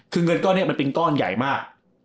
คือเงินก้อนนี้มันเป็นก้อนใหญ่มาก